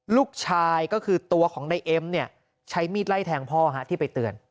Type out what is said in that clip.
ลูกชายก็คือตัวของนายเอ็มเนี่ยใช้มีดไล่แทงพ่อที่ไปเตือน